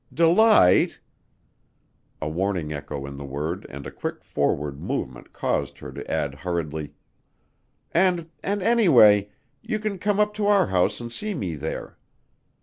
"Delight!" A warning echo in the word and a quick forward movement caused her to add hurriedly: "And and anyway, you can come up to our house and see me there.